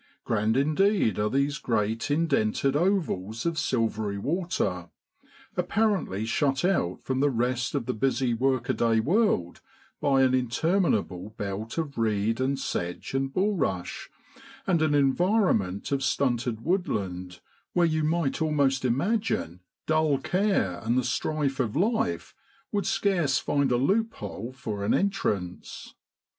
Grand indeed are these great indented ovals of silvery water, apparently shut out from the rest of the busy workaday world by an interminable belt of reed and sedge and bulrush, and an environment of stunted woodland, where you might almost imagine dull care and the strife of life would scarce find a loop hole for an entrance.